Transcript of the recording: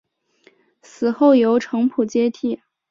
死后由程普接替。